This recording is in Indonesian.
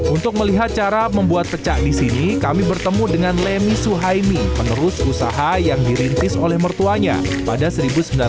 untuk melihat cara membuat pecak di sini kami bertemu dengan lemi suhaimi penerus usaha yang dirintis oleh mertuanya pada seribu sembilan ratus sembilan puluh